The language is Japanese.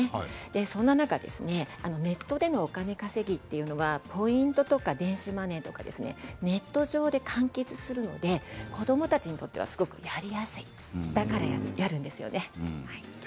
そんな中、ネットでのお金稼ぎはポイントや電子マネーとかネット上で完結するので子どもたちにとってはすごくやりやすいからやるんですよね。